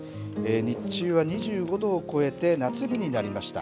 日中は２５度を超えて、夏日になりました。